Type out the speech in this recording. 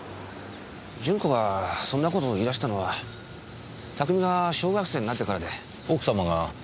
順子がそんな事を言い出したのは拓海が小学生になってからで。